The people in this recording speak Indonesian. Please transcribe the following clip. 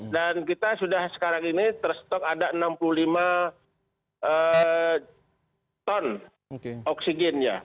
dan kita sudah sekarang ini terstok ada enam puluh lima ton oksigen